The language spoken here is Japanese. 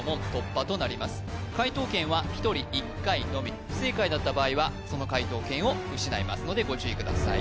・頑張れ不正解だった場合はその解答権を失いますのでご注意ください